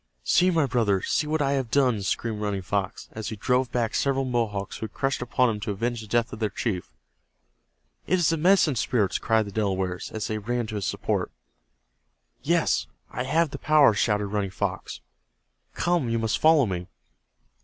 "See, my brothers, see what I have done!" screamed Running Fox, as he drove back several Mohawks who had rushed upon him to avenge the death of their chief. "It is the Medicine Spirits!" cried the Delawares, as they ran to his support. "Yes, I have the power!" shouted Running Fox. "Come, you must follow me!"